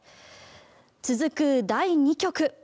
続く第２局。